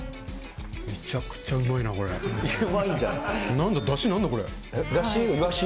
めちゃくちゃうまいな、これ。だし、イワシ？